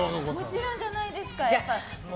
もちろんじゃないですか。